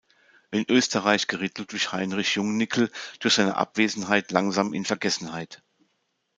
In Österreich geriet Ludwig Heinrich Jungnickel durch seine Abwesenheit langsam in Vergessenheit.